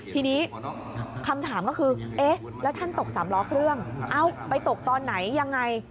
ทีนี้คำถามก็คือเอ๊ะแล้วท่านตกสามล้อเครื่องเอ้าไปตกตอนไหนยังไง